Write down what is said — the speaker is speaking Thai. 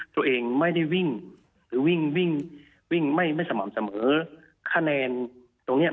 ตัวเองไม่ได้วิ่งหรือวิ่งวิ่งวิ่งไม่ไม่สม่ำเสมอคะแนนตรงเนี้ย